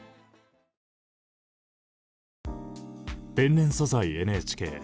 「天然素材ＮＨＫ」